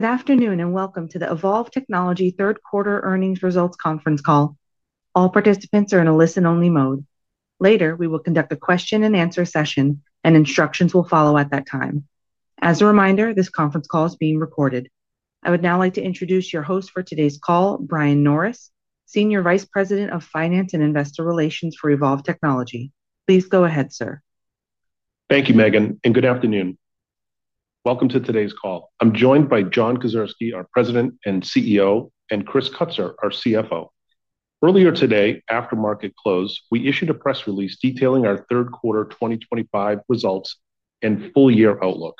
Good afternoon and welcome to the Evolv Technology Third Quarter Earnings Results Conference Call. All participants are in a listen-only mode. Later, we will conduct a question-and-answer session, and instructions will follow at that time. As a reminder, this conference call is being recorded. I would now like to introduce your host for today's call, Brian Norris, Senior Vice President of Finance and Investor Relations for Evolv Technology. Please go ahead, sir. Thank you, Megan, and good afternoon. Welcome to today's call. I'm joined by John Kedzierski, our President and CEO, and Chris Kutsor, our CFO. Earlier today, after market close, we issued a press release detailing our Third Quarter 2025 Results and full year outlook.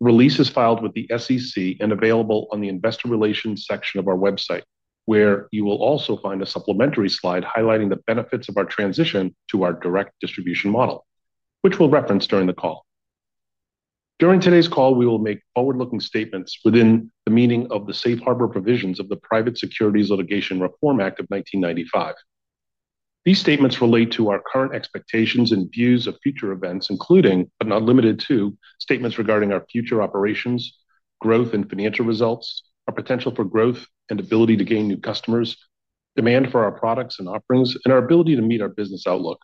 The release is filed with the SEC and available on the Investor Relations section of our website, where you will also find a supplementary slide highlighting the benefits of our transition to our direct distribution model, which we'll reference during the call. During today's call, we will make forward-looking statements within the meaning of the safe harbor provisions of the Private Securities Litigation Reform Act of 1995. These statements relate to our current expectations and views of future events, including, but not limited to, statements regarding our future operations, growth and financial results, our potential for growth and ability to gain new customers, demand for our products and offerings, and our ability to meet our business outlook.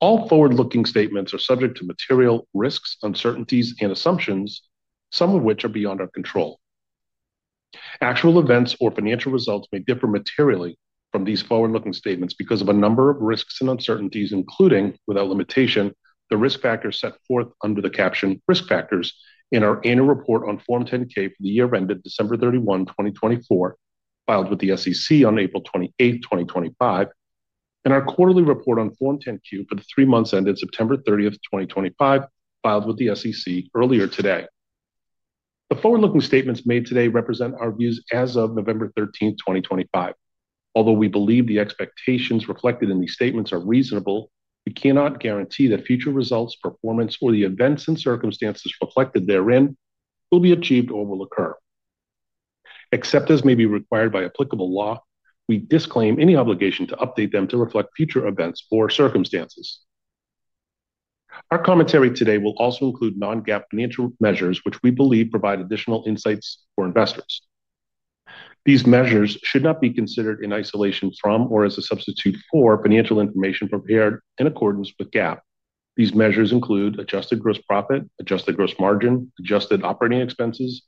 All forward-looking statements are subject to material risks, uncertainties, and assumptions, some of which are beyond our control. Actual events or financial results may differ materially from these forward-looking statements because of a number of risks and uncertainties, including, without limitation, the risk factors set forth under the caption "Risk Factors" in our annual report on Form 10-K for the year ended December 31, 2024, filed with the SEC on April 28, 2025, and our quarterly report on Form 10-Q for the three months ended September 30, 2025, filed with the SEC earlier today. The forward-looking statements made today represent our views as of November 13, 2025. Although we believe the expectations reflected in these statements are reasonable, we cannot guarantee that future results, performance, or the events and circumstances reflected therein will be achieved or will occur. Except as may be required by applicable law, we disclaim any obligation to update them to reflect future events or circumstances. Our commentary today will also include non-GAAP financial measures, which we believe provide additional insights for investors. These measures should not be considered in isolation from or as a substitute for financial information prepared in accordance with GAAP. These measures include adjusted gross profit, adjusted gross margin, adjusted operating expenses,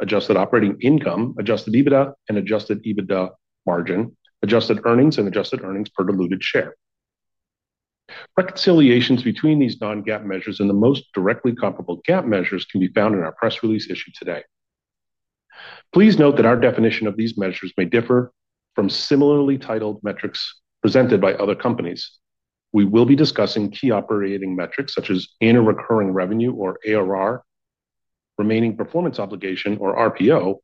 adjusted operating income, adjusted EBITDA, and adjusted EBITDA margin, adjusted earnings, and adjusted earnings per diluted share. Reconciliations between these non-GAAP measures and the most directly comparable GAAP measures can be found in our press release issued today. Please note that our definition of these measures may differ from similarly titled metrics presented by other companies. We will be discussing key operating metrics such as annual recurring revenue or ARR, remaining performance obligation or RPO,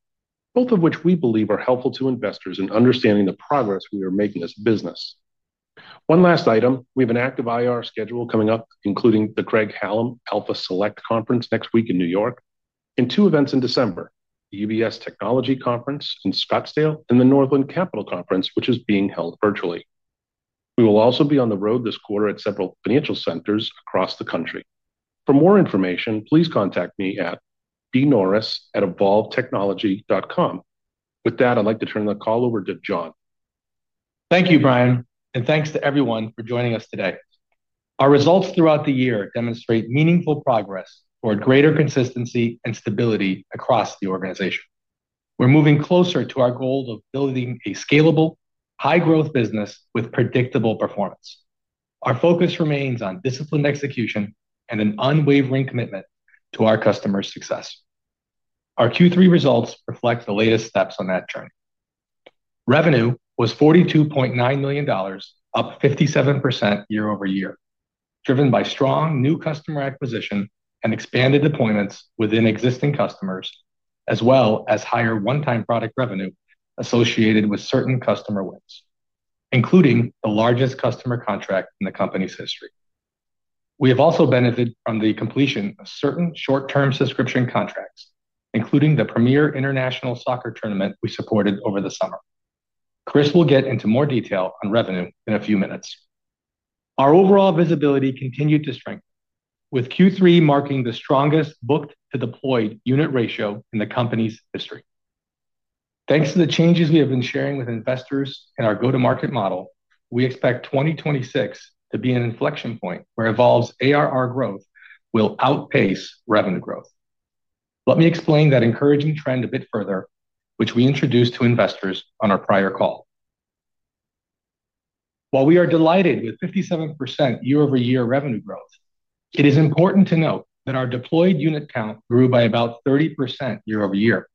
both of which we believe are helpful to investors in understanding the progress we are making as a business. One last item, we have an active IR schedule coming up, including the Craig-Hallum Alpha Select Conference next week in New York, and two events in December, the UBS Technology Conference in Scottsdale and the Northland Capital Conference, which is being held virtually. We will also be on the road this quarter at several financial centers across the country. For more information, please contact me at bnorris@evolvtechnology.com. With that, I'd like to turn the call over to John. Thank you, Brian, and thanks to everyone for joining us today. Our results throughout the year demonstrate meaningful progress toward greater consistency and stability across the organization. We are moving closer to our goal of building a scalable, high-growth business with predictable performance. Our focus remains on disciplined execution and an unwavering commitment to our customer's success. Our Q3 results reflect the latest steps on that journey. Revenue was $42.9 million, up 57% year-over-year, driven by strong new customer acquisition and expanded deployments within existing customers, as well as higher one-time product revenue associated with certain customer wins, including the largest customer contract in the company's history. We have also benefited from the completion of certain short-term subscription contracts, including the Premier International Soccer Tournament we supported over the summer. Chris will get into more detail on revenue in a few minutes. Our overall visibility continued to strengthen, with Q3 marking the strongest booked-to-deployed unit ratio in the company's history. Thanks to the changes we have been sharing with investors in our go-to-market model, we expect 2026 to be an inflection point where Evolv's ARR growth will outpace revenue growth. Let me explain that encouraging trend a bit further, which we introduced to investors on our prior call. While we are delighted with 57% year-over-year revenue growth, it is important to note that our deployed unit count grew by about 30% year-over-year,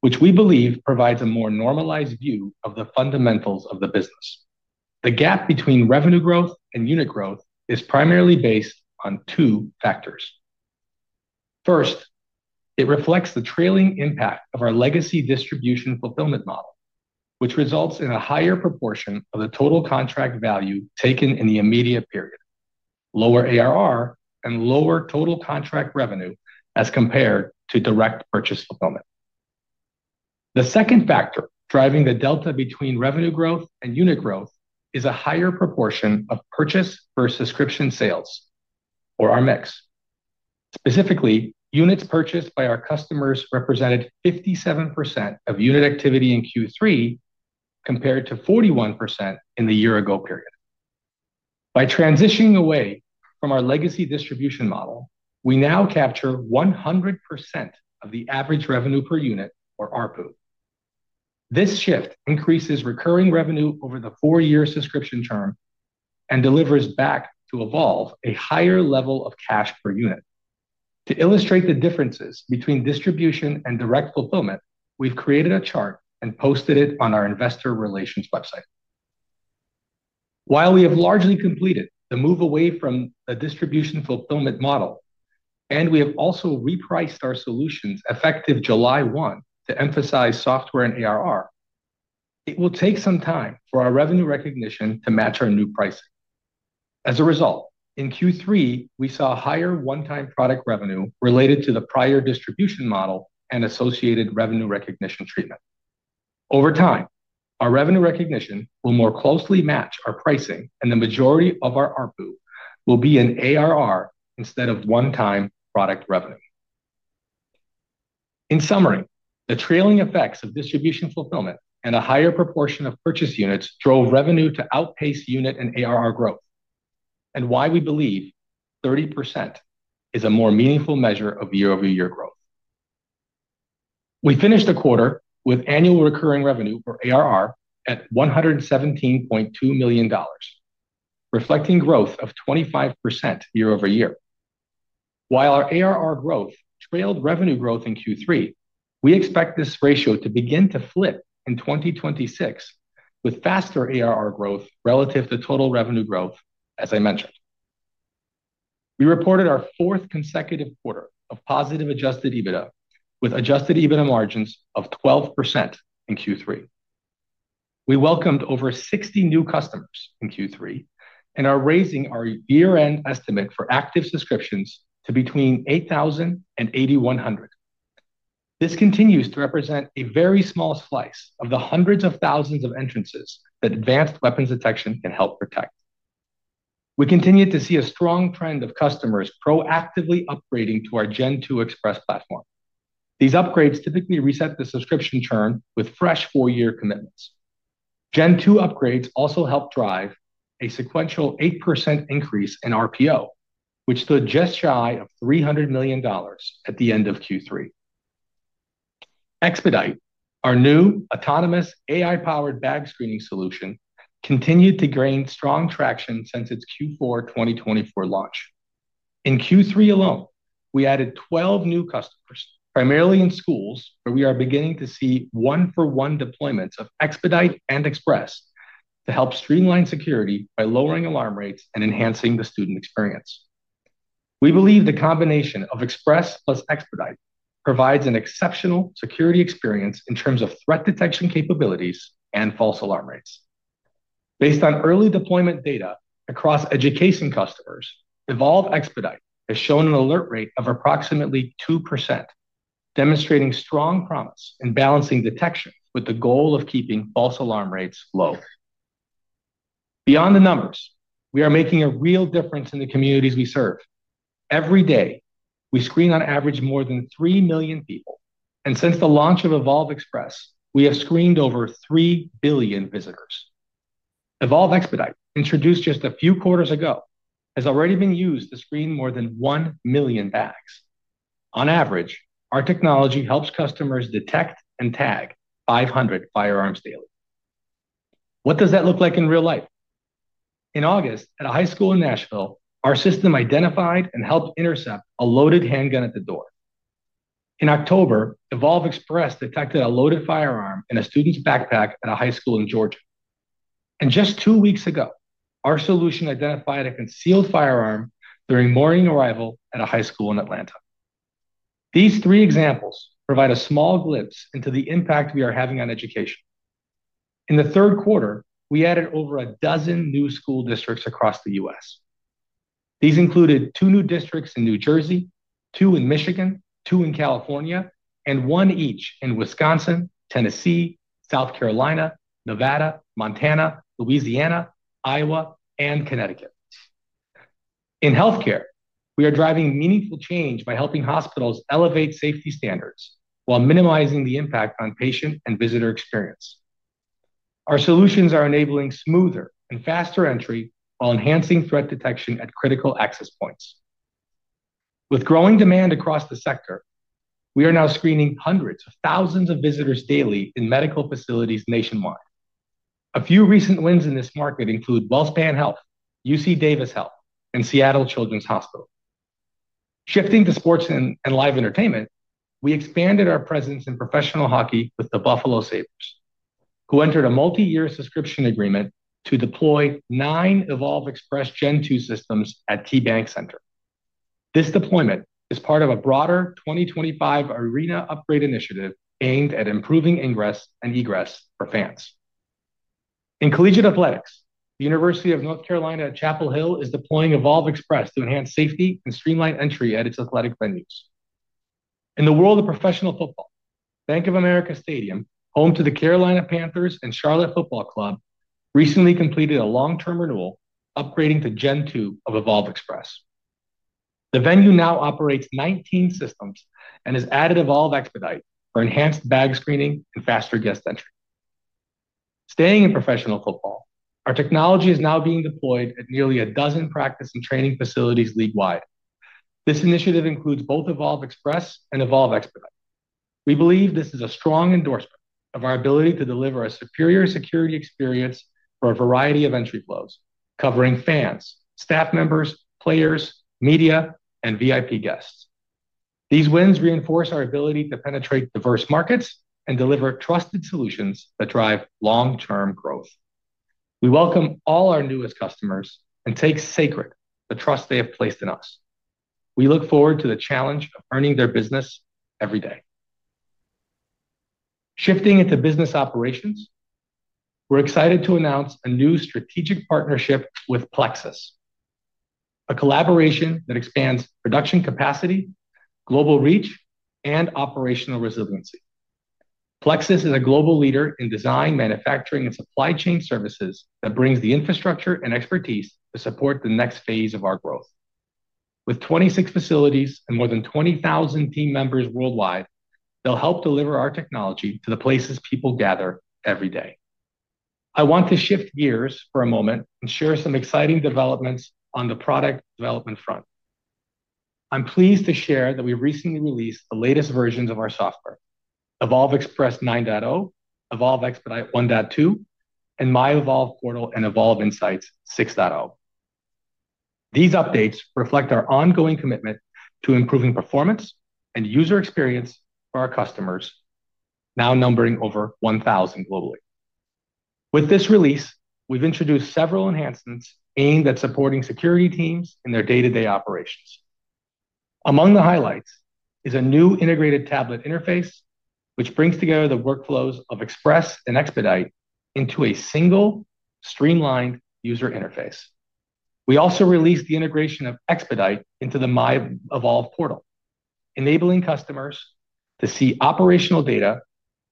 which we believe provides a more normalized view of the fundamentals of the business. The gap between revenue growth and unit growth is primarily based on two factors. First, it reflects the trailing impact of our legacy distribution fulfillment model, which results in a higher proportion of the total contract value taken in the immediate period, lower ARR, and lower total contract revenue as compared to direct purchase fulfillment. The second factor driving the delta between revenue growth and unit growth is a higher proportion of purchase versus subscription sales, or our mix. Specifically, units purchased by our customers represented 57% of unit activity in Q3 compared to 41% in the year-ago period. By transitioning away from our legacy distribution model, we now capture 100% of the average revenue per unit, or ARPU. This shift increases recurring revenue over the four-year subscription term and delivers back to Evolv a higher level of cash per unit. To illustrate the differences between distribution and direct fulfillment, we've created a chart and posted it on our Investor Relations website. While we have largely completed the move away from the distribution fulfillment model, and we have also repriced our solutions effective July 1 to emphasize software and ARR, it will take some time for our revenue recognition to match our new pricing. As a result, in Q3, we saw higher one-time product revenue related to the prior distribution model and associated revenue recognition treatment. Over time, our revenue recognition will more closely match our pricing, and the majority of our ARPU will be in ARR instead of one-time product revenue. In summary, the trailing effects of distribution fulfillment and a higher proportion of purchase units drove revenue to outpace unit and ARR growth, and why we believe 30% is a more meaningful measure of year-over-year growth. We finished the quarter with annual recurring revenue or ARR at $117.2 million, reflecting growth of 25% year-over-year. While our ARR growth trailed revenue growth in Q3, we expect this ratio to begin to flip in 2026 with faster ARR growth relative to total revenue growth, as I mentioned. We reported our fourth consecutive quarter of positive adjusted EBITDA, with adjusted EBITDA margins of 12% in Q3. We welcomed over 60 new customers in Q3 and are raising our year-end estimate for active subscriptions to between 8,000 and 8,100. This continues to represent a very small slice of the hundreds of thousands of entrances that advanced weapons detection can help protect. We continue to see a strong trend of customers proactively upgrading to our Gen2 Express platform. These upgrades typically reset the subscription churn with fresh four-year commitments. Gen2 upgrades also help drive a sequential 8% increase in RPO, which stood just shy of $300 million at the end of Q3. Expedite, our new autonomous AI-powered bag screening solution, continued to gain strong traction since its Q4 2024 launch. In Q3 alone, we added 12 new customers, primarily in schools, where we are beginning to see one-for-one deployments of Expedite and Express to help streamline security by lowering alarm rates and enhancing the student experience. We believe the combination of Express plus Expedite provides an exceptional security experience in terms of threat detection capabilities and false alarm rates. Based on early deployment data across education customers, Evolv Expedite has shown an alert rate of approximately 2%, demonstrating strong promise in balancing detection with the goal of keeping false alarm rates low. Beyond the numbers, we are making a real difference in the communities we serve. Every day, we screen on average more than 3 million people, and since the launch of Evolv Express, we have screened over 3 billion visitors. Evolv Expedite, introduced just a few quarters ago, has already been used to screen more than 1 million bags. On average, our technology helps customers detect and tag 500 firearms daily. What does that look like in real life? In August, at a high school in Nashville, our system identified and helped intercept a loaded handgun at the door. In October, Evolv Express detected a loaded firearm in a student's backpack at a high school in Georgia. Just two weeks ago, our solution identified a concealed firearm during morning arrival at a high school in Atlanta. These three examples provide a small glimpse into the impact we are having on education. In the third quarter, we added over a dozen new school districts across the U.S. These included two new districts in New Jersey, two in Michigan, two in California, and one each in Wisconsin, Tennessee, South Carolina, Nevada, Montana, Louisiana, Iowa, and Connecticut. In healthcare, we are driving meaningful change by helping hospitals elevate safety standards while minimizing the impact on patient and visitor experience. Our solutions are enabling smoother and faster entry while enhancing threat detection at critical access points. With growing demand across the sector, we are now screening hundreds of thousands of visitors daily in medical facilities nationwide. A few recent wins in this market include WellSpan Health, UC Davis Health, and Seattle Children's Hospital. Shifting to sports and live entertainment, we expanded our presence in professional hockey with the Buffalo Sabres, who entered a multi-year subscription agreement to deploy nine Evolv Express Gen2 systems at T Bank Center. This deployment is part of a broader 2025 arena upgrade initiative aimed at improving ingress and egress for fans. In collegiate athletics, the University of North Carolina at Chapel Hill is deploying Evolv Express to enhance safety and streamline entry at its athletic venues. In the world of professional football, Bank of America Stadium, home to the Carolina Panthers and Charlotte Football Club, recently completed a long-term renewal, upgrading to Gen2 of Evolv Express. The venue now operates 19 systems and has added Evolv Expedite for enhanced bag screening and faster guest entry. Staying in professional football, our technology is now being deployed at nearly a dozen practice and training facilities leaguewide. This initiative includes both Evolv Express and Evolv Expedite. We believe this is a strong endorsement of our ability to deliver a superior security experience for a variety of entry flows, covering fans, staff members, players, media, and VIP guests. These wins reinforce our ability to penetrate diverse markets and deliver trusted solutions that drive long-term growth. We welcome all our newest customers and take sacred the trust they have placed in us. We look forward to the challenge of earning their business every day. Shifting into business operations, we're excited to announce a new strategic partnership with Plexus, a collaboration that expands production capacity, global reach, and operational resiliency. Plexus is a global leader in design, manufacturing, and supply chain services that brings the infrastructure and expertise to support the next phase of our growth. With 26 facilities and more than 20,000 team members worldwide, they'll help deliver our technology to the places people gather every day. I want to shift gears for a moment and share some exciting developments on the product development front. I'm pleased to share that we recently released the latest versions of our software: Evolv Express 9.0, Evolv Expedite 1.2, and MyEvolv Portal and Evolv Insights 6.0. These updates reflect our ongoing commitment to improving performance and user experience for our customers, now numbering over 1,000 globally. With this release, we've introduced several enhancements aimed at supporting security teams in their day-to-day operations. Among the highlights is a new integrated tablet interface, which brings together the workflows of Express and Expedite into a single, streamlined user interface. We also released the integration of Expedite into the MyEvolv Portal, enabling customers to see operational data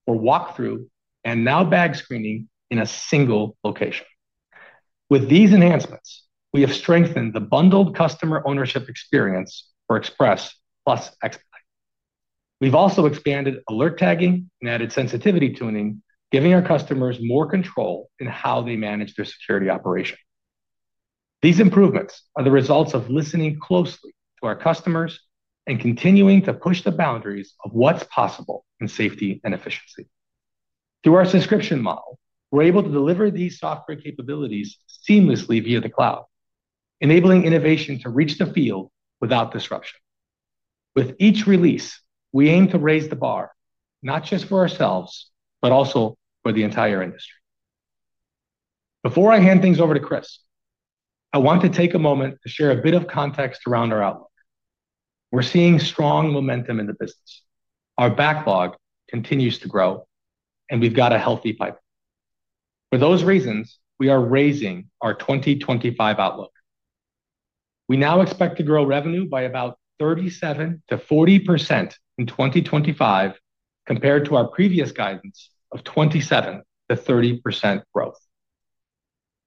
or walk-through and now bag screening in a single location. With these enhancements, we have strengthened the bundled customer ownership experience for Express plus Expedite. We've also expanded alert tagging and added sensitivity tuning, giving our customers more control in how they manage their security operation. These improvements are the results of listening closely to our customers and continuing to push the boundaries of what's possible in safety and efficiency. Through our subscription model, we're able to deliver these software capabilities seamlessly via the cloud, enabling innovation to reach the field without disruption. With each release, we aim to raise the bar not just for ourselves, but also for the entire industry. Before I hand things over to Chris, I want to take a moment to share a bit of context around our outlook. We're seeing strong momentum in the business. Our backlog continues to grow, and we've got a healthy pipeline. For those reasons, we are raising our 2025 outlook. We now expect to grow revenue by about 37%-40% in 2025 compared to our previous guidance of 27%-30% growth.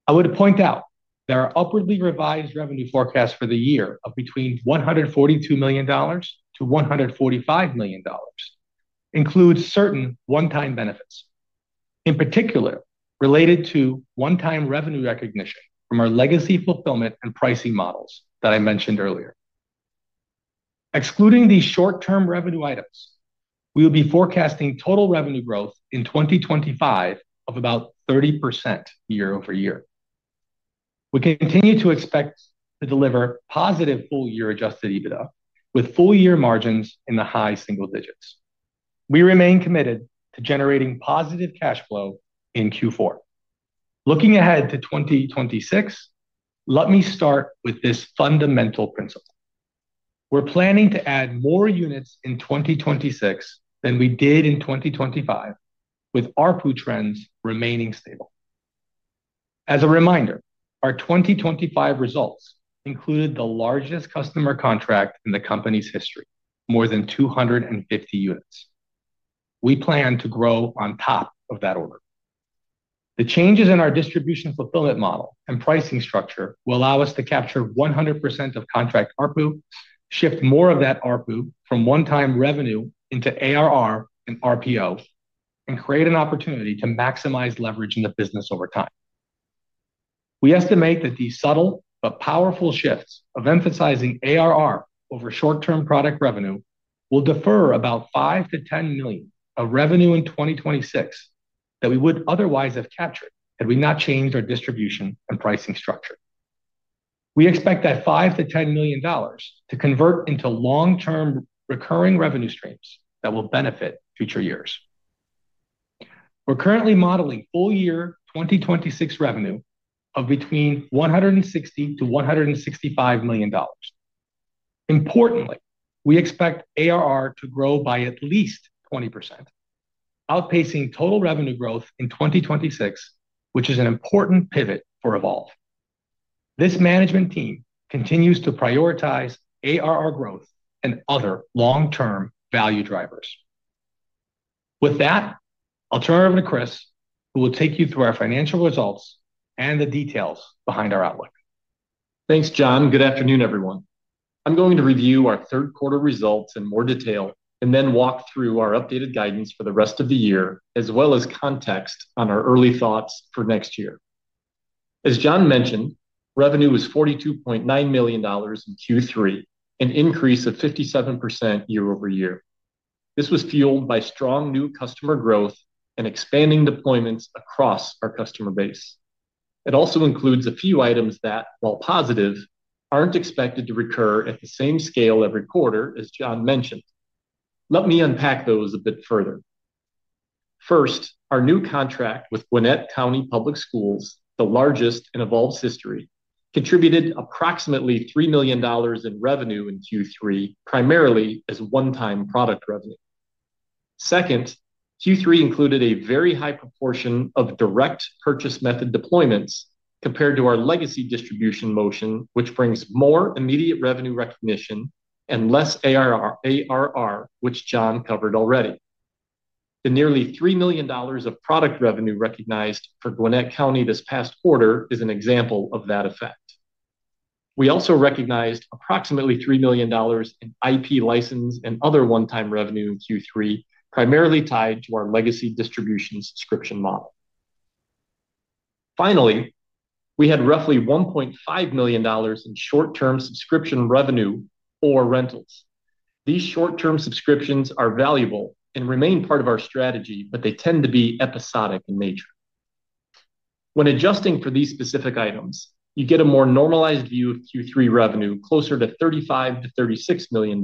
I would point out there are upwardly revised revenue forecasts for the year of between $142 million-$145 million, including certain one-time benefits, in particular related to one-time revenue recognition from our legacy fulfillment and pricing models that I mentioned earlier. Excluding these short-term revenue items, we will be forecasting total revenue growth in 2025 of about 30% year-over-year. We continue to expect to deliver positive full-year adjusted EBITDA, with full-year margins in the high single digits. We remain committed to generating positive cash flow in Q4. Looking ahead to 2026, let me start with this fundamental principle. We're planning to add more units in 2026 than we did in 2025, with ARPU trends remaining stable. As a reminder, our 2025 results included the largest customer contract in the company's history, more than 250 units. We plan to grow on top of that order. The changes in our distribution fulfillment model and pricing structure will allow us to capture 100% of contract ARPU, shift more of that ARPU from one-time revenue into ARR and RPO, and create an opportunity to maximize leverage in the business over time. We estimate that these subtle but powerful shifts of emphasizing ARR over short-term product revenue will defer about $5 million-$10 million of revenue in 2026 that we would otherwise have captured had we not changed our distribution and pricing structure. We expect that $5 million-$10 million to convert into long-term recurring revenue streams that will benefit future years. We're currently modeling full-year 2026 revenue of between $160 million-$165 million. Importantly, we expect ARR to grow by at least 20%, outpacing total revenue growth in 2026, which is an important pivot for Evolv. This management team continues to prioritize ARR growth and other long-term value drivers. With that, I'll turn it over to Chris, who will take you through our financial results and the details behind our outlook. Thanks, John. Good afternoon, everyone. I'm going to review our third quarter results in more detail and then walk through our updated guidance for the rest of the year, as well as context on our early thoughts for next year. As John mentioned, revenue was $42.9 million in Q3, an increase of 57% year-over-year. This was fueled by strong new customer growth and expanding deployments across our customer base. It also includes a few items that, while positive, aren't expected to recur at the same scale every quarter, as John mentioned. Let me unpack those a bit further. First, our new contract with Gwinnett County Public Schools, the largest in Evolv's history, contributed approximately $3 million in revenue in Q3, primarily as one-time product revenue. Second, Q3 included a very high proportion of direct purchase method deployments compared to our legacy distribution motion, which brings more immediate revenue recognition and less ARR, which John covered already. The nearly $3 million of product revenue recognized for Gwinnett County this past quarter is an example of that effect. We also recognized approximately $3 million in IP license and other one-time revenue in Q3, primarily tied to our legacy distribution subscription model. Finally, we had roughly $1.5 million in short-term subscription revenue for rentals. These short-term subscriptions are valuable and remain part of our strategy, but they tend to be episodic in nature. When adjusting for these specific items, you get a more normalized view of Q3 revenue closer to $35-$36 million,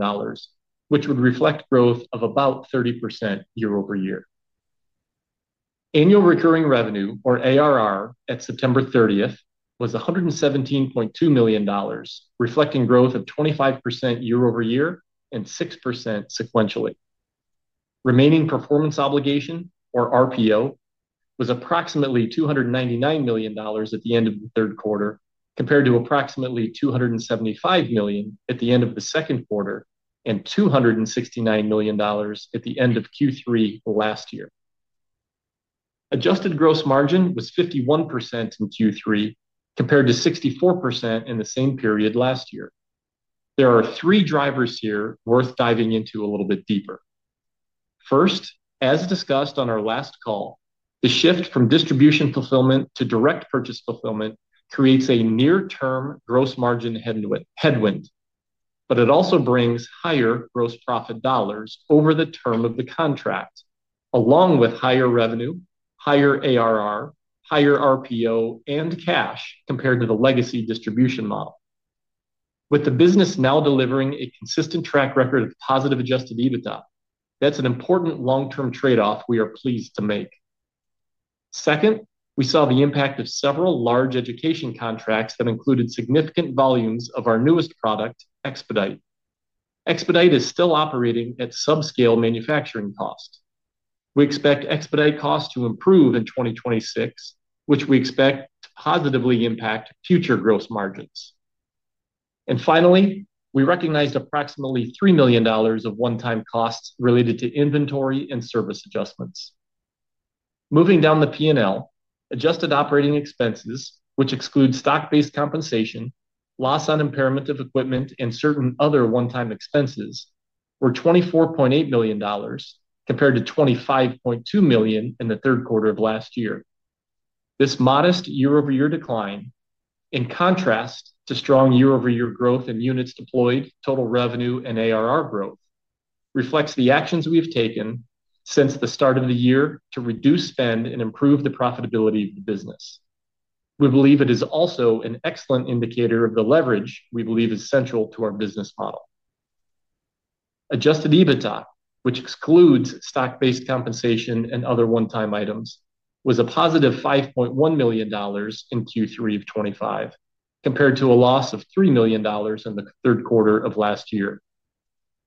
which would reflect growth of about 30% year-over-year. Annual recurring revenue, or ARR, at September 30th was $117.2 million, reflecting growth of 25% year-over-year and 6% sequentially. Remaining performance obligation, or RPO, was approximately $299 million at the end of the third quarter, compared to approximately $275 million at the end of the second quarter and $269 million at the end of Q3 last year. Adjusted gross margin was 51% in Q3, compared to 64% in the same period last year. There are three drivers here worth diving into a little bit deeper. First, as discussed on our last call, the shift from distribution fulfillment to direct purchase fulfillment creates a near-term gross margin headwind, but it also brings higher gross profit dollars over the term of the contract, along with higher revenue, higher ARR, higher RPO, and cash compared to the legacy distribution model. With the business now delivering a consistent track record of positive adjusted EBITDA, that's an important long-term trade-off we are pleased to make. Second, we saw the impact of several large education contracts that included significant volumes of our newest product, Expedite. Expedite is still operating at subscale manufacturing cost. We expect Expedite cost to improve in 2026, which we expect to positively impact future gross margins. Finally, we recognized approximately $3 million of one-time costs related to inventory and service adjustments. Moving down the P&L, adjusted operating expenses, which exclude stock-based compensation, loss on impairment of equipment, and certain other one-time expenses, were $24.8 million compared to $25.2 million in the third quarter of last year. This modest year-over-year decline, in contrast to strong year-over-year growth in units deployed, total revenue, and ARR growth, reflects the actions we have taken since the start of the year to reduce spend and improve the profitability of the business. We believe it is also an excellent indicator of the leverage we believe is central to our business model. Adjusted EBITDA, which excludes stock-based compensation and other one-time items, was a positive $5.1 million in Q3 of 2025, compared to a loss of $3 million in the third quarter of last year.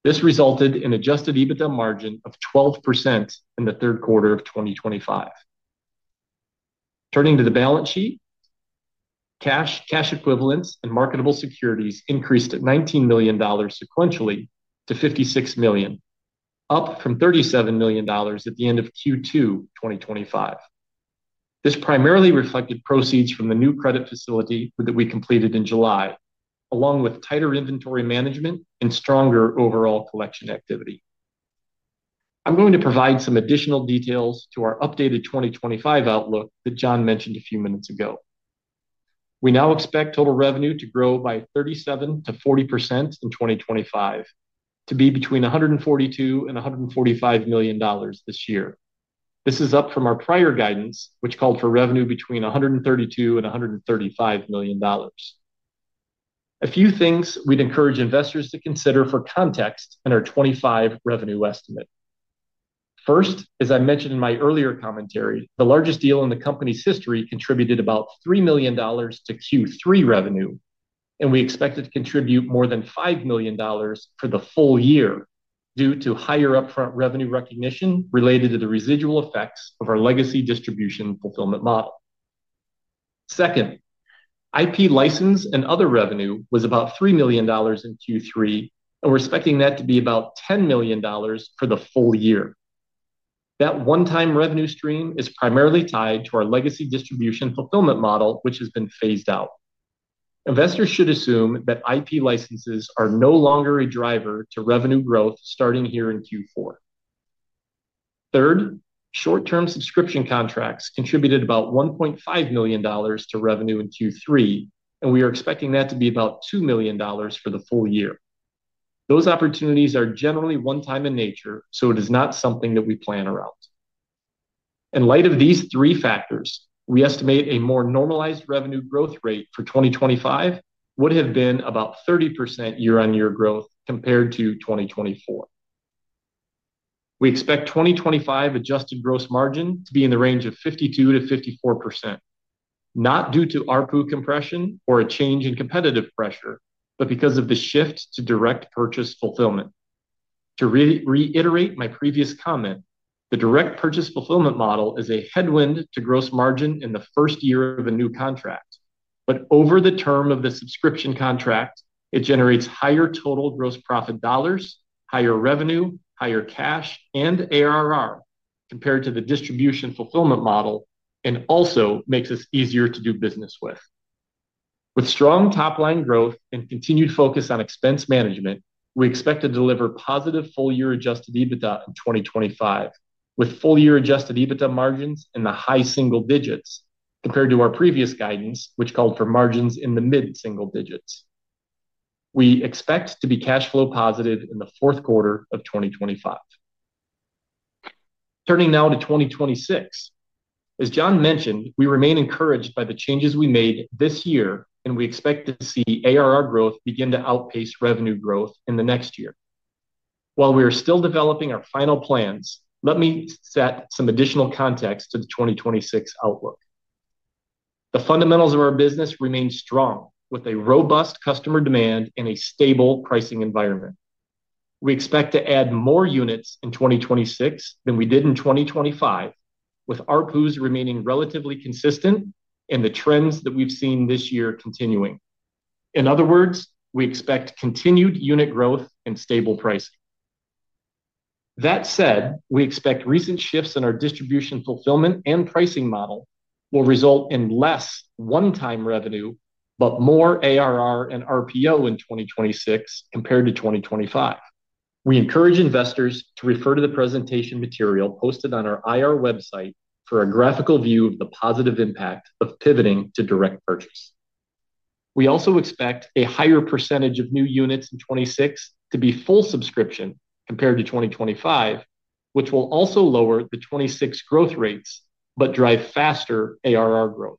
This resulted in an adjusted EBITDA margin of 12% in the third quarter of 2025. Turning to the balance sheet, cash, cash equivalents, and marketable securities increased by $19 million sequentially to $56 million, up from $37 million at the end of Q2 2025. This primarily reflected proceeds from the new credit facility that we completed in July, along with tighter inventory management and stronger overall collection activity. I'm going to provide some additional details to our updated 2025 outlook that John mentioned a few minutes ago. We now expect total revenue to grow by 37%-40% in 2025 to be between $142 million and $145 million this year. This is up from our prior guidance, which called for revenue between $132 million and $135 million. A few things we'd encourage investors to consider for context in our 2025 revenue estimate. First, as I mentioned in my earlier commentary, the largest deal in the company's history contributed about $3 million to Q3 revenue, and we expect it to contribute more than $5 million for the full year due to higher upfront revenue recognition related to the residual effects of our legacy distribution fulfillment model. Second, IP license and other revenue was about $3 million in Q3, and we're expecting that to be about $10 million for the full year. That one-time revenue stream is primarily tied to our legacy distribution fulfillment model, which has been phased out. Investors should assume that IP licenses are no longer a driver to revenue growth starting here in Q4. Third, short-term subscription contracts contributed about $1.5 million to revenue in Q3, and we are expecting that to be about $2 million for the full year. Those opportunities are generally one-time in nature, so it is not something that we plan around. In light of these three factors, we estimate a more normalized revenue growth rate for 2025 would have been about 30% year-on-year growth compared to 2024. We expect 2025 adjusted gross margin to be in the range of 52%-54%, not due to ARPU compression or a change in competitive pressure, but because of the shift to direct purchase fulfillment. To reiterate my previous comment, the direct purchase fulfillment model is a headwind to gross margin in the first year of a new contract, but over the term of the subscription contract, it generates higher total gross profit dollars, higher revenue, higher cash, and ARR compared to the distribution fulfillment model, and also makes us easier to do business with. With strong top-line growth and continued focus on expense management, we expect to deliver positive full-year adjusted EBITDA in 2025, with full-year adjusted EBITDA margins in the high single digits compared to our previous guidance, which called for margins in the mid-single digits. We expect to be cash flow positive in the fourth quarter of 2025. Turning now to 2026, as John mentioned, we remain encouraged by the changes we made this year, and we expect to see ARR growth begin to outpace revenue growth in the next year. While we are still developing our final plans, let me set some additional context to the 2026 outlook. The fundamentals of our business remain strong, with a robust customer demand and a stable pricing environment. We expect to add more units in 2026 than we did in 2025, with ARPUs remaining relatively consistent and the trends that we've seen this year continuing. In other words, we expect continued unit growth and stable pricing. That said, we expect recent shifts in our distribution fulfillment and pricing model will result in less one-time revenue, but more ARR and RPO in 2026 compared to 2025. We encourage investors to refer to the presentation material posted on our IR website for a graphical view of the positive impact of pivoting to direct purchase. We also expect a higher percentage of new units in 2026 to be full subscription compared to 2025, which will also lower the 2026 growth rates, but drive faster ARR growth.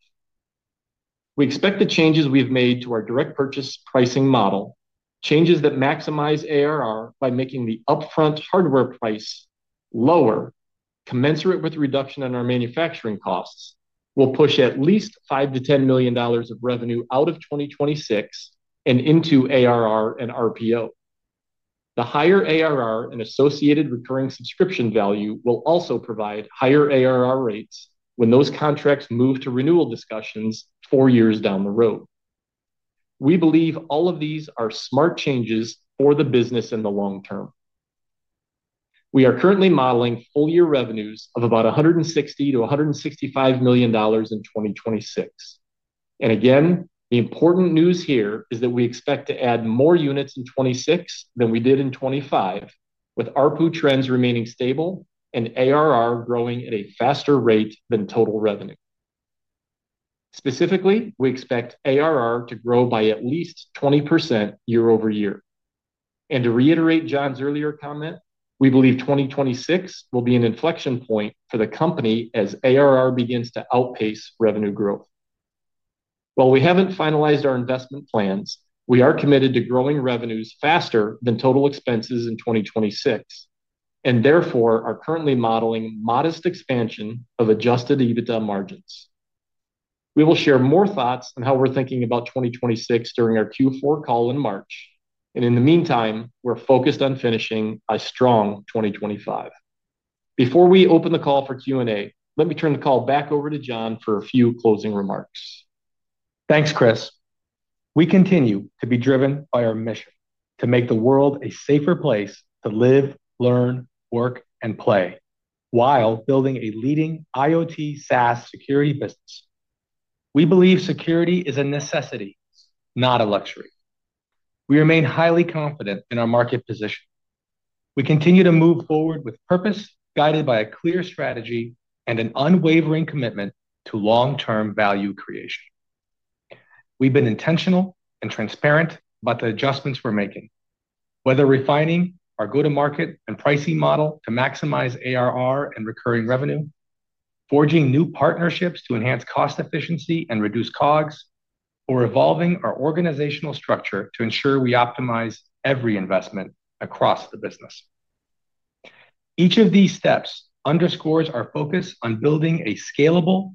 We expect the changes we've made to our direct purchase pricing model, changes that maximize ARR by making the upfront hardware price lower, commensurate with reduction in our manufacturing costs, will push at least $5 million-$10 million of revenue out of 2026 and into ARR and RPO. The higher ARR and associated recurring subscription value will also provide higher ARR rates when those contracts move to renewal discussions four years down the road. We believe all of these are smart changes for the business in the long term. We are currently modeling full-year revenues of about $160 million-$165 million in 2026. The important news here is that we expect to add more units in 2026 than we did in 2025, with ARPU trends remaining stable and ARR growing at a faster rate than total revenue. Specifically, we expect ARR to grow by at least 20% year-over-year. To reiterate John's earlier comment, we believe 2026 will be an inflection point for the company as ARR begins to outpace revenue growth. While we haven't finalized our investment plans, we are committed to growing revenues faster than total expenses in 2026, and therefore are currently modeling modest expansion of adjusted EBITDA margins. We will share more thoughts on how we're thinking about 2026 during our Q4 call in March, and in the meantime, we're focused on finishing a strong 2025. Before we open the call for Q&A, let me turn the call back over to John for a few closing remarks. Thanks, Chris. We continue to be driven by our mission to make the world a safer place to live, learn, work, and play while building a leading IoT SaaS security business. We believe security is a necessity, not a luxury. We remain highly confident in our market position. We continue to move forward with purpose guided by a clear strategy and an unwavering commitment to long-term value creation. We've been intentional and transparent about the adjustments we're making, whether refining our go-to-market and pricing model to maximize ARR and recurring revenue, forging new partnerships to enhance cost efficiency and reduce COGS, or evolving our organizational structure to ensure we optimize every investment across the business. Each of these steps underscores our focus on building a scalable,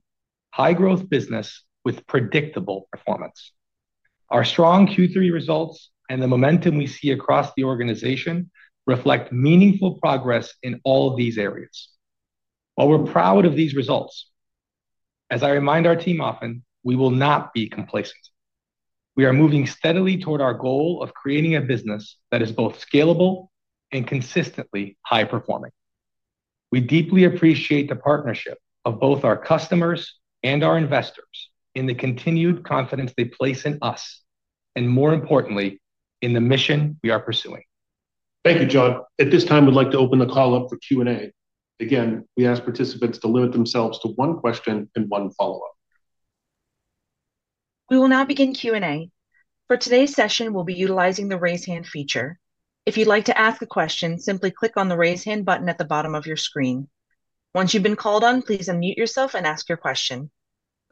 high-growth business with predictable performance. Our strong Q3 results and the momentum we see across the organization reflect meaningful progress in all of these areas. While we're proud of these results, as I remind our team often, we will not be complacent. We are moving steadily toward our goal of creating a business that is both scalable and consistently high-performing. We deeply appreciate the partnership of both our customers and our investors in the continued confidence they place in us, and more importantly, in the mission we are pursuing. Thank you, John. At this time, we'd like to open the call up for Q&A. Again, we ask participants to limit themselves to one question and one follow-up. We will now begin Q&A. For today's session, we'll be utilizing the raise hand feature. If you'd like to ask a question, simply click on the raise hand button at the bottom of your screen. Once you've been called on, please unmute yourself and ask your question.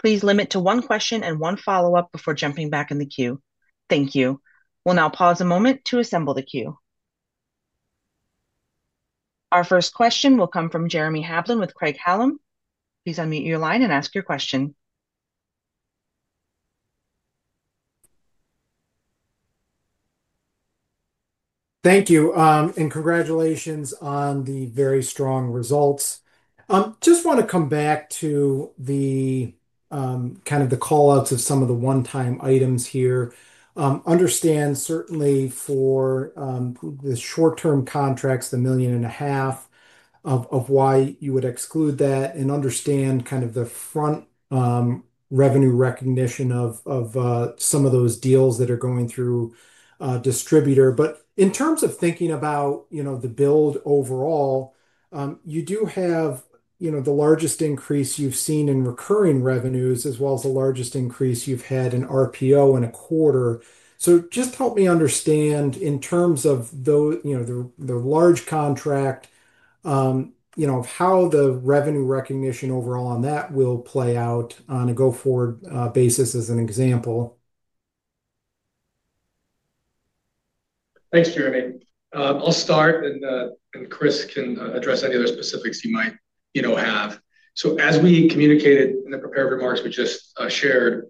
Please limit to one question and one follow-up before jumping back in the queue. Thank you. We'll now pause a moment to assemble the queue. Our first question will come from Jeremy Hamblin with Craig-Hallum. Please unmute your line and ask your question. Thank you, and congratulations on the very strong results. Just want to come back to the kind of the callouts of some of the one-time items here. Understand certainly for the short-term contracts, the $1.5 million of why you would exclude that, and understand kind of the front revenue recognition of some of those deals that are going through a distributor. In terms of thinking about the build overall, you do have the largest increase you've seen in recurring revenues, as well as the largest increase you've had in RPO in a quarter. Just help me understand in terms of the large contract, how the revenue recognition overall on that will play out on a go-forward basis as an example. Thanks, Jeremy. I'll start, and Chris can address any other specifics you might have. As we communicated in the prepared remarks we just shared,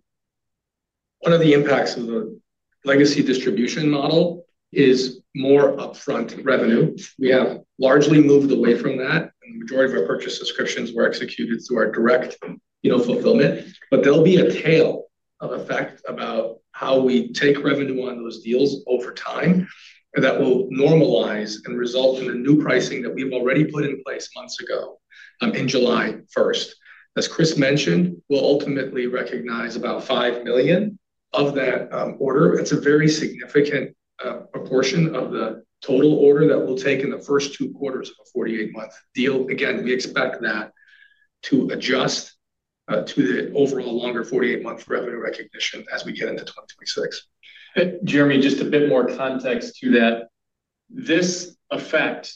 one of the impacts of the legacy distribution model is more upfront revenue. We have largely moved away from that, and the majority of our purchase descriptions were executed through our direct fulfillment. There will be a tail effect about how we take revenue on those deals over time that will normalize and result in a new pricing that we have already put in place months ago on July 1st. As Chris mentioned, we will ultimately recognize about $5 million of that order. It is a very significant proportion of the total order that we will take in the first two quarters of a 48-month deal. Again, we expect that to adjust to the overall longer 48-month revenue recognition as we get into 2026. Jeremy, just a bit more context to that. This effect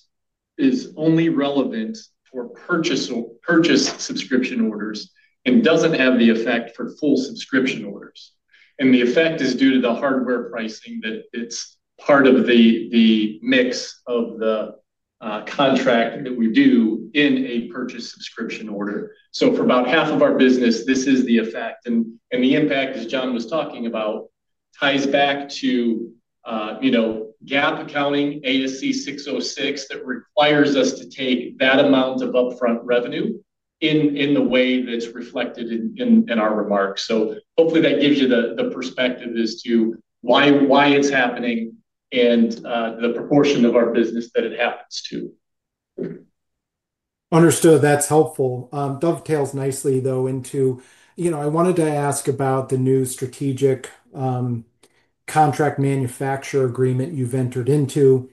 is only relevant for purchase subscription orders and does not have the effect for full subscription orders. The effect is due to the hardware pricing that is part of the mix of the contract that we do in a purchase subscription order. For about half of our business, this is the effect. The impact, as John was talking about, ties back to GAAP accounting, ASC 606, that requires us to take that amount of upfront revenue in the way that is reflected in our remarks. Hopefully that gives you the perspective as to why it is happening and the proportion of our business that it happens to. Understood. That is helpful. Dovetails nicely, though, into I wanted to ask about the new strategic contract manufacturer agreement you have entered into.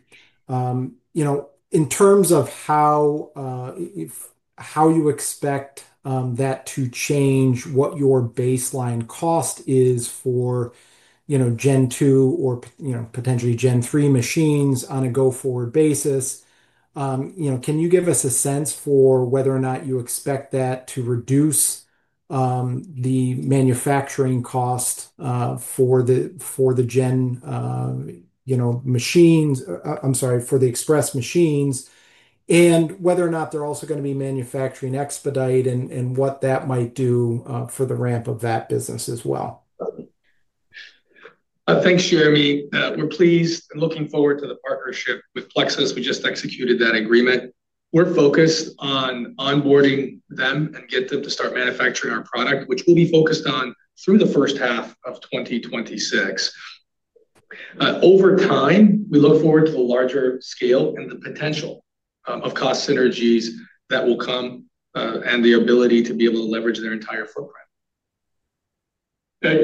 In terms of how you expect that to change what your baseline cost is for Gen2 or potentially Gen3 machines on a go-forward basis, can you give us a sense for whether or not you expect that to reduce the manufacturing cost for the Gen machines, I'm sorry, for the Express machines, and whether or not they're also going to be manufacturing Expedite and what that might do for the ramp of that business as well? Thanks, Jeremy. We're pleased and looking forward to the partnership with Plexus. We just executed that agreement. We're focused on onboarding them and getting them to start manufacturing our product, which we'll be focused on through the first half of 2026. Over time, we look forward to the larger scale and the potential of cost synergies that will come and the ability to be able to leverage their entire footprint.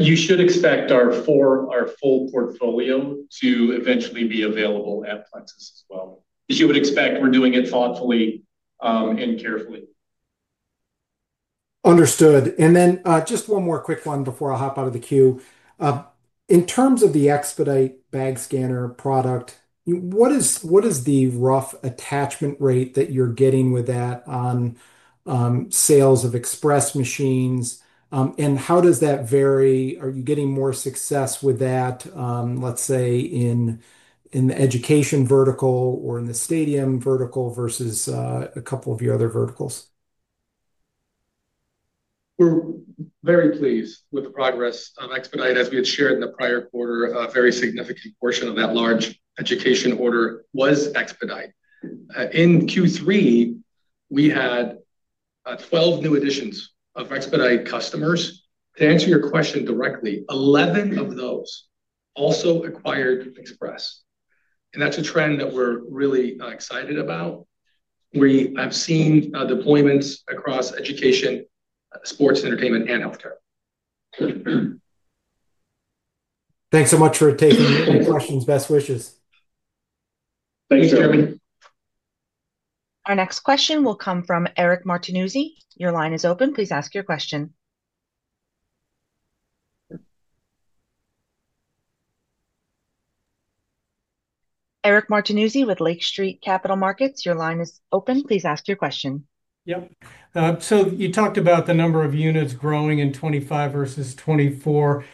You should expect our full portfolio to eventually be available at Plexus as well. As you would expect, we're doing it thoughtfully and carefully. Understood. Just one more quick one before I hop out of the queue. In terms of the Expedite bag scanner product, what is the rough attachment rate that you're getting with that on sales of Express machines, and how does that vary? Are you getting more success with that, let's say, in the education vertical or in the stadium vertical versus a couple of your other verticals? We're very pleased with the progress of Expedite. As we had shared in the prior quarter, a very significant portion of that large education order was Expedite. In Q3, we had 12 new additions of Expedite customers. To answer your question directly, 11 of those also acquired Express. That's a trend that we're really excited about. We have seen deployments across education, sports, entertainment, and healthcare. Thanks so much for taking any questions. Best wishes. Thanks, Jeremy. Our next question will come from Eric Martinuzzi. Your line is open. Please ask your question. Eric Martinuzzi with Lake Street Capital Markets, your line is open. Please ask your question. Yep. You talked about the number of units growing in 2025 versus 2024.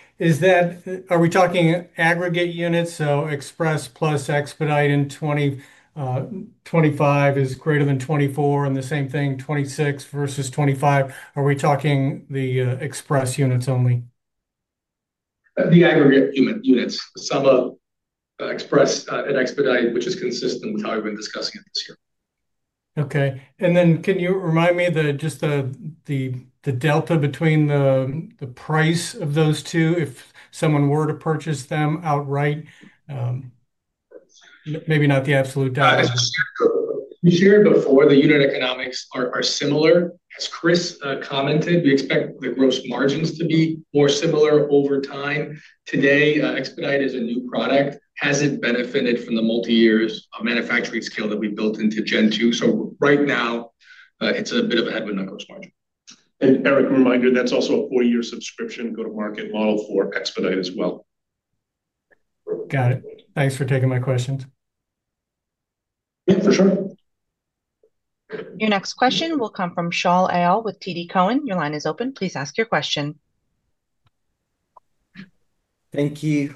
Are we talking aggregate units? Express plus Expedite in 2025 is greater than 2024, and the same thing 2026 versus 2025. Are we talking the Express units only? The aggregate units, the sum of Express and Expedite, which is consistent with how we've been discussing it this year. Okay. Can you remind me just the delta between the price of those two if someone were to purchase them outright? Maybe not the absolute delta. As you shared before, the unit economics are similar. As Chris commented, we expect the gross margins to be more similar over time. Today, Expedite is a new product. Hasn't benefited from the multi-year manufacturing scale that we built into Gen2. So right now, it's a bit of an admin on gross margin. And Eric, a reminder, that's also a four-year subscription go-to-market model for Expedite as well. Got it. Thanks for taking my questions. Yeah, for sure. Your next question will come from Shaul Eyal with TD Cowen. Your line is open. Please ask your question. Thank you.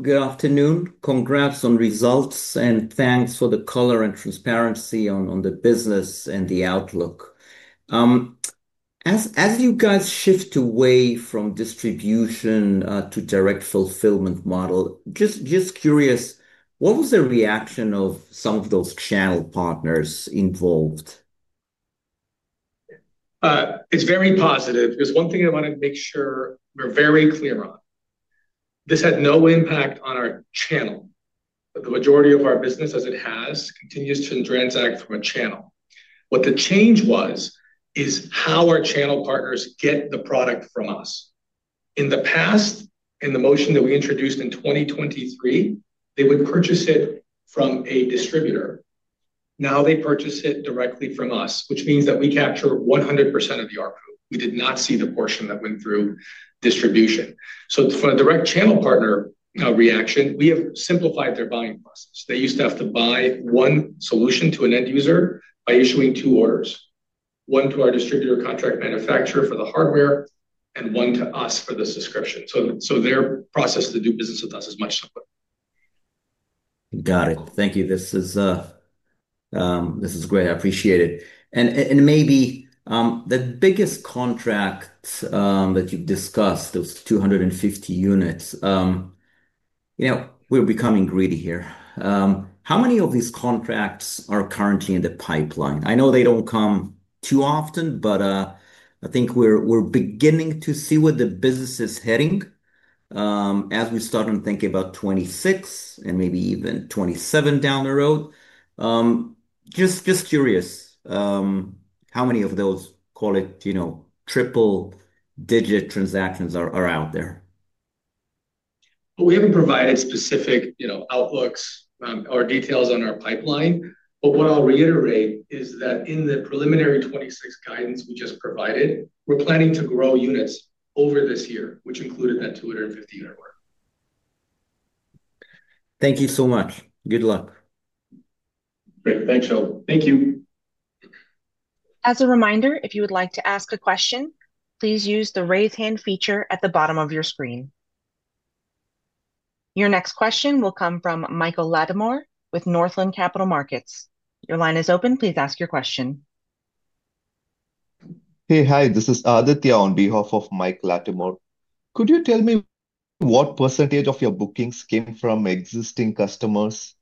Good afternoon. Congrats on results, and thanks for the color and transparency on the business and the outlook. As you guys shift away from distribution to direct fulfillment model, just curious, what was the reaction of some of those channel partners involved? It's very positive because one thing I want to make sure we're very clear on. This had no impact on our channel. The majority of our business, as it has, continues to transact from a channel. What the change was is how our channel partners get the product from us. In the past, in the motion that we introduced in 2023, they would purchase it from a distributor. Now they purchase it directly from us, which means that we capture 100% of the RPO. We did not see the portion that went through distribution. For a direct channel partner reaction, we have simplified their buying process. They used to have to buy one solution to an end user by issuing two orders, one to our distributor contract manufacturer for the hardware and one to us for the subscription. Their process to do business with us is much simpler. Got it. Thank you. This is great. I appreciate it. Maybe the biggest contract that you've discussed, those 250 units, we're becoming greedy here. How many of these contracts are currently in the pipeline? I know they don't come too often, but I think we're beginning to see where the business is heading as we start on thinking about 2026 and maybe even 2027 down the road. Just curious, how many of those, call it triple-digit transactions, are out there? We haven't provided specific outlooks or details on our pipeline. What I'll reiterate is that in the preliminary 2026 guidance we just provided, we're planning to grow units over this year, which included that 250 unit work. Thank you so much. Good luck. Great. Thanks, Shaul. Thank you. As a reminder, if you would like to ask a question, please use the raise hand feature at the bottom of your screen. Your next question will come from Michael Lattimore with Northland Capital Markets. Your line is open. Please ask your question. Hey, hi. This is Aditya on behalf of Mike Lattimore. Could you tell me what percentage of your bookings came from existing customers?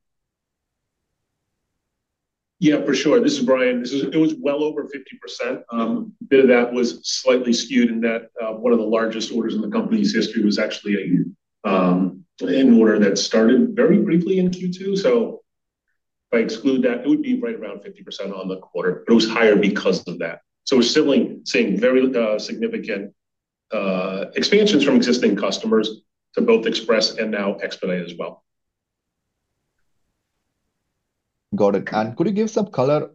Yeah, for sure. This is Brian. It was well over 50%. A bit of that was slightly skewed in that one of the largest orders in the company's history was actually an order that started very briefly in Q2. If I exclude that, it would be right around 50% on the quarter. It was higher because of that. We are still seeing very significant expansions from existing customers to both Express and now Expedite as well. Got it. Could you give some color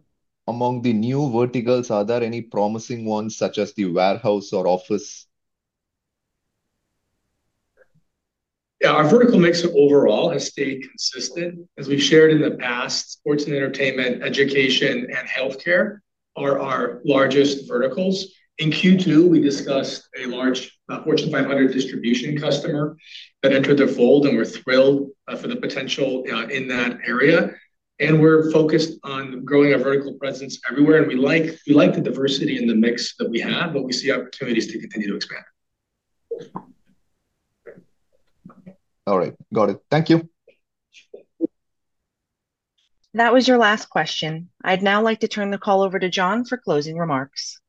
among the new verticals? Are there any promising ones such as the warehouse or office? Yeah. Our vertical mix overall has stayed consistent. As we shared in the past, sports and entertainment, education, and healthcare are our largest verticals. In Q2, we discussed a large Fortune 500 distribution customer that entered the fold, and we're thrilled for the potential in that area. We're focused on growing our vertical presence everywhere, and we like the diversity in the mix that we have, but we see opportunities to continue to expand. All right. Got it. Thank you. That was your last question. I'd now like to turn the call over to John for closing remarks.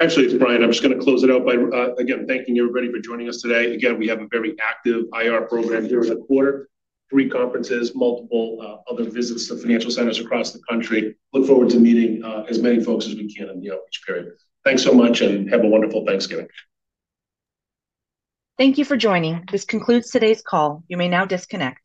Actually, it's Brian. I'm just going to close it out by, again, thanking everybody for joining us today. Again, we have a very active IR program here in the quarter, three conferences, multiple other visits to financial centers across the country. Look forward to meeting as many folks as we can in the outreach period. Thanks so much, and have a wonderful Thanksgiving. Thank you for joining. This concludes today's call. You may now disconnect.